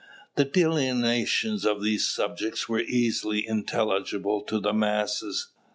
The delineations of these subjects were easily intelligible to the masses.